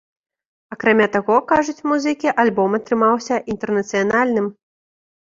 Акрамя таго, кажуць музыкі, альбом атрымаўся інтэрнацыянальным.